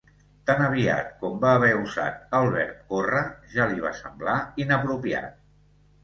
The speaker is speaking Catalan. Tan aviat com va haver usat el verb córrer ja li va semblar inapropiat.